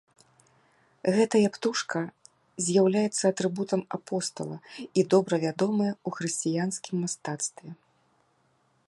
Гэтая птушка з'яўляецца атрыбутам апостала і добра вядомая ў хрысціянскім мастацтве.